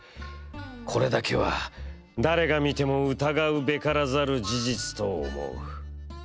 これだけは誰が見ても疑うべからざる事実と思う」。